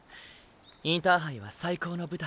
インターハイは最高の舞台。